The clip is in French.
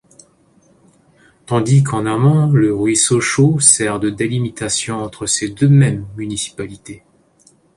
Tandis qu'en amont, le ruisseau Chaud sert de délimitation entre ces deux mêmes municipalités.